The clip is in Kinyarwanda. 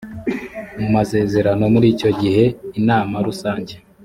mu masezerano muri icyo gihe inama rusange